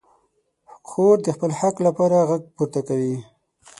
خور د خپل حق لپاره غږ پورته کوي.